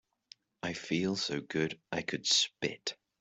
I feel so good I could spit.